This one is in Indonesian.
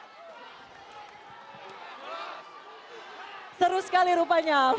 seru sekali rupanya